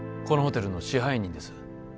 このホテルの支配人です